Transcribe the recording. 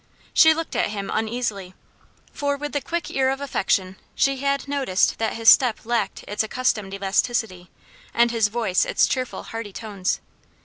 She looked at him uneasily; for with the quick ear of affection she had noticed that his step lacked its accustomed elasticity, and his voice its cheerful, hearty tones.